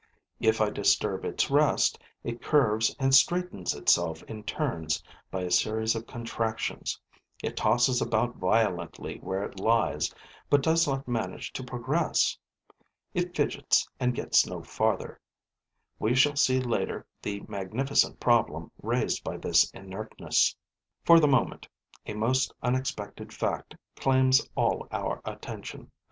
If I disturb its rest, it curves and straightens itself in turns by a series of contractions, it tosses about violently where it lies, but does not manage to progress. It fidgets and gets no farther. We shall see later the magnificent problem raised by this inertness. For the moment, a most unexpected fact claims all our attention.